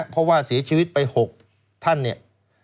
เพราะว่าเสียชีวิตไป๖ท่านเนี่ย